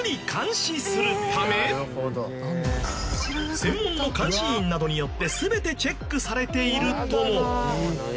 専門の監視員などによって全てチェックされているとも。